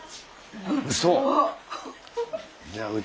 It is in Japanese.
うそ！